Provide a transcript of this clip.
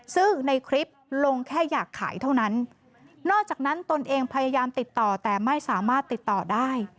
ซึ่งในคลิปลงแค่อยากขายเท่านั้นนอกจากนั้นตนเองพยายามติดต่อแต่ไม่สามารถติดต่อได้